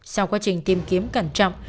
sau quá trình tìm kiếm cẩn trọng